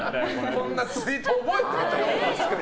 こんなツイート覚えてるんだ。